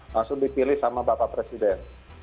langsung dipilih sama bapak presiden